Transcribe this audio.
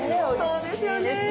そうですよね。